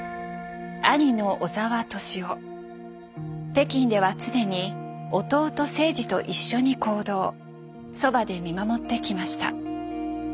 北京では常に弟征爾と一緒に行動そばで見守ってきました。